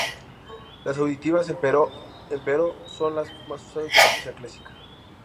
Las auditivas, empero, son las más usadas en la poesía clásica.